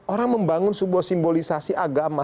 orang membangun sebuah simbolisasi agama